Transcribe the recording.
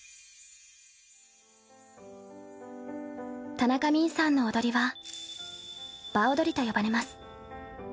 田中泯さんの踊りは場踊りと呼ばれます。